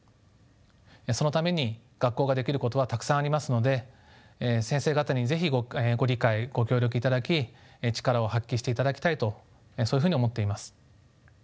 そのために学校ができることはたくさんありますので先生方に是非ご理解ご協力いただき力を発揮していただきたいとそういうふうに思っています。